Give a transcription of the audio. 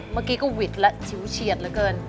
เมื่อกี้ก็หวิดแล้วฉิวเฉียดเหลือเกิน